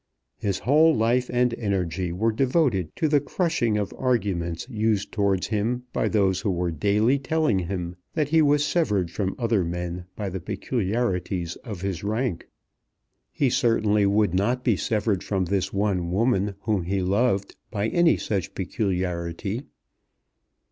His whole life and energy were devoted to the crushing of arguments used towards him by those who were daily telling him that he was severed from other men by the peculiarities of his rank. He certainly would not be severed from this one woman whom he loved by any such peculiarity.